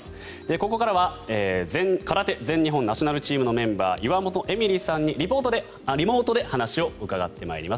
ここからは空手全日本ナショナルチームのメンバー岩本衣美里さんにリモートで話を伺ってまいります。